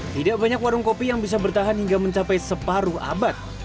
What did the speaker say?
tidak banyak warung kopi yang bisa bertahan hingga mencapai separuh abad